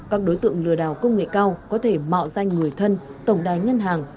các đối tượng lừa đảo công nghệ cao có thể mạo danh người thân tổng đài ngân hàng